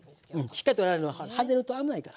しっかり取らないとはねると危ないから。